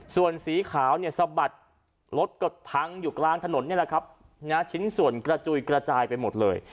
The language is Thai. ส่วนสีขาวเนี่ยสะบัดรถก็พังอยู่กลางถนนนี่แหละครับชิ้นส่วนกระจุยกระจายไปหมดเลย